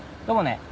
どうもね。